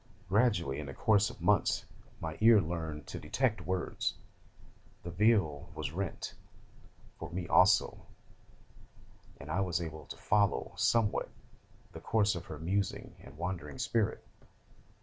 Gradually, in the course of months, my ear learned to detect the words; "the veil was rent" for me also; and I was able to follow somewhat the course of her musing and wandering spirit.